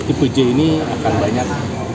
ipj ini akan banyak